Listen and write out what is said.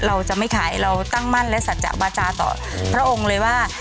เราจะไม่ขายเราตั้งมั่นและสัจจะบาจาต่อพระองค์เลยว่า